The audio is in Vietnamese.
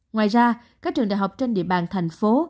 ngoài ra các trường đại học trên địa bàn thành phố